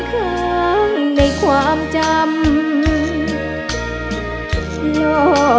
ภูมิสุภาพยาบาลภูมิสุภาพยาบาล